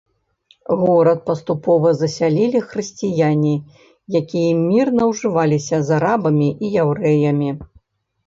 Горад паступова засялілі хрысціяне, якія мірна ўжываліся з арабамі і яўрэямі.